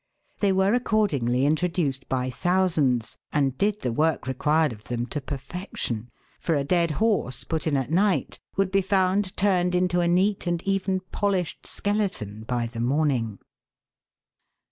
They were accordingly introduced by thousands, and did the work required of them to perfection, for a dead horse put in at night would be found turned into a neat and even polished skeleton by the morning.